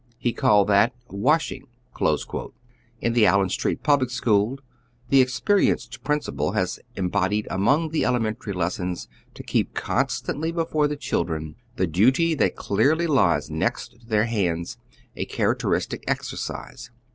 He called that wasliing," In the Allen Street public school tlie experienced principal has embodied among the ele mentary lessons, to keep constantly before the children the duty that clearly lies next to their hands, a character istic exercise.